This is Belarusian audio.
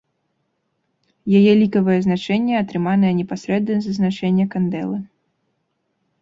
Яе лікавае значэнне атрыманае непасрэдна з азначэння кандэлы.